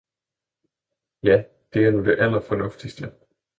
Ja, det er nu det allerfornuftigste!